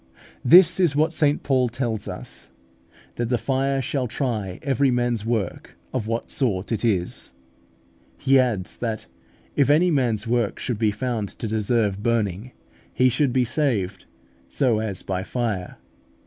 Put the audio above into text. This is what St Paul tells us, that "the fire shall try every man's work of what sort it is;" he adds, that if any man's work should be found to deserve burning, he should be saved "so as by fire" (1 Cor.